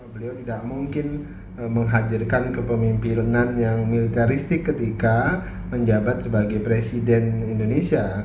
beliau tidak mungkin menghadirkan kepemimpinan yang militeristik ketika menjabat sebagai presiden indonesia